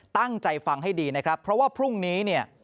ตั้งใจฟังให้ดีนะครับเพราะว่าพรุ่งนี้เนี่ย